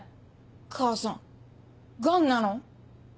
母さんガンなの？